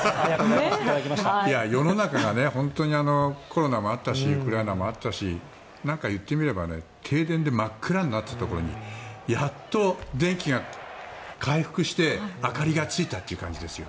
世の中が本当にコロナもあったしウクライナもあったしいってみれば、停電で真っ暗になっていたところにやっと電気が回復して明かりがついた感じですよ。